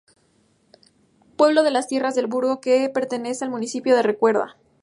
Pueblo de la Tierras del Burgo que pertenece al municipio de Recuerda.